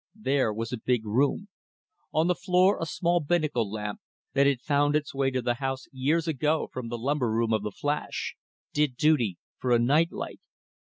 There was a big room. On the floor a small binnacle lamp that had found its way to the house years ago from the lumber room of the Flash did duty for a night light.